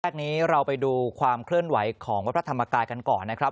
นี้เราไปดูความเคลื่อนไหวของวัดพระธรรมกายกันก่อนนะครับ